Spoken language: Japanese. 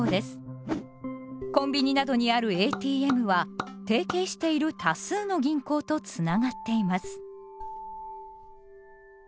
コンビニなどにあるＡＴＭは提携している多数の銀行とつながっています。